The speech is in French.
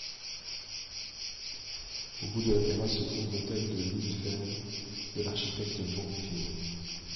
Au bout de la terrasse se trouve l'hôtel de Lisleferme de l'architecte Bonfin.